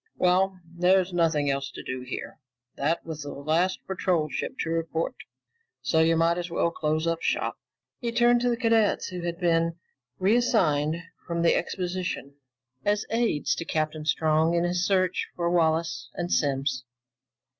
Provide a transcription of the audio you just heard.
Well, there's nothing else to do here. That was the last patrol ship to report, so you might as well close up shop." He turned to the cadets, who had been reassigned from the exposition as aides to Captain Strong in his search for Wallace and Simms.